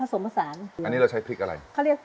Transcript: ผสมภาษาอันนี้ไม่ใช่พลิกอะไรอันนี้เราใช้